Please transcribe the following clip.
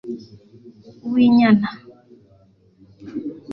Uwinyana